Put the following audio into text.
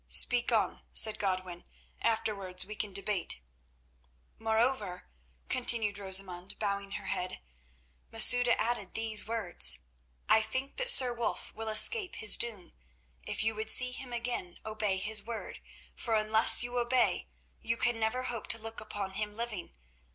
"Speak on," said Godwin; "afterwards we can debate." "Moreover," continued Rosamund, bowing her head, "Masouda added these words, 'I think that Sir Wulf will escape his doom. If you would see him again, obey his word, for unless you obey you can never hope to look upon him living.